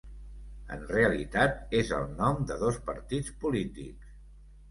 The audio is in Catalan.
En realitat és el nom de dos partits polítics.